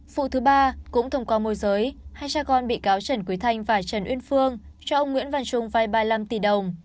vụ thứ ba cũng thông qua môi giới hai cha con bị cáo trần quý thanh và trần uyên phương cho ông nguyễn văn trung vai ba mươi năm tỷ đồng